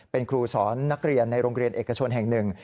เป็นครูสอนนักเรียนในโรงเรียนเอกชนแห่งหนึ่ง